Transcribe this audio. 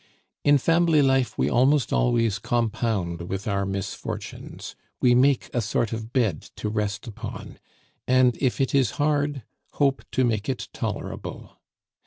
In family life we almost always compound with our misfortunes; we make a sort of bed to rest upon; and, if it is hard, hope to make it tolerable.